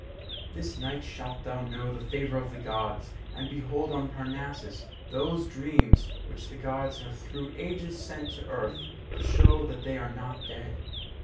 This night shalt thou know the favour of the Gods, and behold on Parnassus those dreams which the Gods have through ages sent to Earth to show that they are not dead.